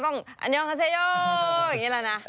อันนี้คาเซโยอย่างนี้แหละนะ